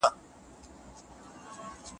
کله یې چې پېغله لور،